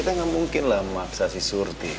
jangan gitu dong